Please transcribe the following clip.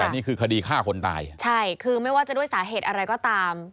แต่นี่คือคดีฆ่าคนตายใช่คือไม่ว่าจะด้วยสาเหตุอะไรก็ตาม